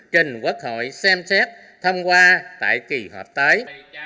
trình quốc hội xem xét thông qua tại kỳ họp tới